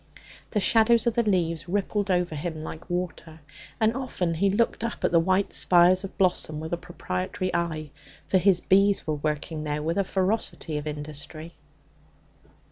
The shadows of the leaves rippled over him like water, and often he looked up at the white spires of bloom with a proprietary eye, for his bees were working there with a ferocity of industry.